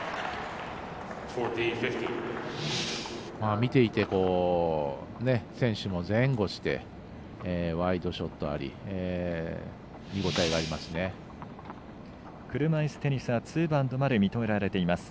見ていて選手も前後してワイドショットあり見応えがありますね。